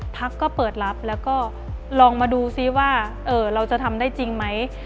พักก็เปิดรับแล้วก็ลองมาดูซิว่าเราจะทำได้จริงไหม